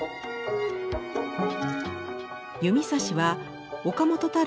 弓指は岡本太郎